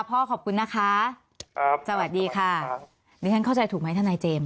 พ่อขอบคุณนะคะสวัสดีค่ะดิฉันเข้าใจถูกไหมท่านนายเจมส์